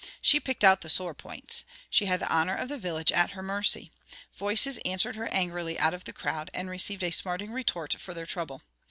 She picked out the sore points. She had the honour of the village at her mercy. Voices answered her angrily out of the crowd, and received a smarting retort for their trouble.